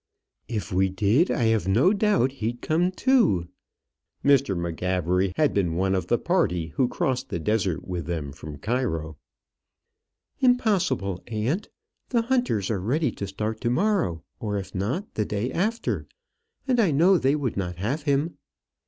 "If we did I have no doubt he'd come too." Mr. M'Gabbery had been one of the party who crossed the desert with them from Cairo. "Impossible, aunt. The Hunters are ready to start to morrow, or, if not, the day after, and I know they would not have him."